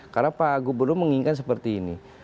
karena pak gubernur mengingat seperti ini